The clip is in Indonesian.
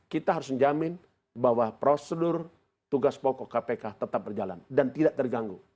kita harus menjamin bahwa prosedur tugas pokok kpk tetap berjalan dan tidak terganggu